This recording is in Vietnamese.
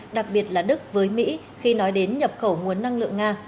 đặc biệt là đức với mỹ khi nói đến nhập khẩu nguồn năng lượng nga